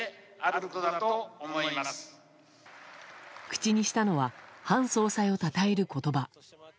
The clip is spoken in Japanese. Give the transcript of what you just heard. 口にしたのは韓総裁をたたえる言葉。